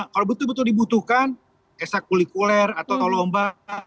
kalau betul betul dibutuhkan esak kulikuler atau tolomba